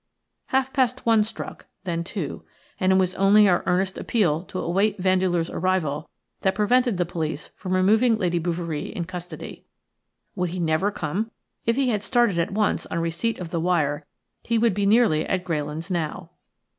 Half past one struck, then two, and it was only our earnest appeal to await Vandeleur's arrival that prevented the police from removing Lady Bouverie in custody. Would he never come? If he had started at once on receipt of the wire he would be nearly at Greylands now.